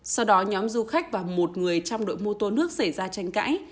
sau đó nhóm du khách và một người trong đội mô tô nước xảy ra tranh cãi